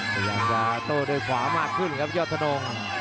พยายามจะโต้ด้วยขวามากขึ้นครับยอดทะนง